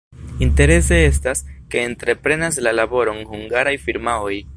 Interese estas, ke entreprenas la laboron hungaraj firmaoj.